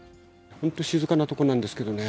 本当静かな所なんですけどね。